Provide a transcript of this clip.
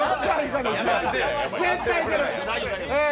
絶対いける！